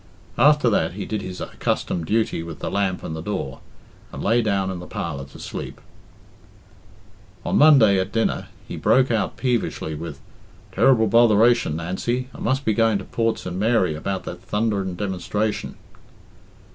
After that he did his accustomed duty with the lamp and the door, and lay down in the parlour to sleep. On Monday, at dinner, he broke out peevishly with "Ter'ble botheration, Nancy I must be going to Port St. Mary about that thundering demonstration."